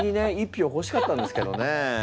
１票ほしかったんですけどね。